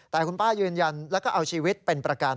แต่คุณป้ายืนยันแล้วก็เอาชีวิตเป็นประกัน